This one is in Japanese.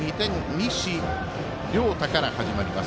西稜太から始まります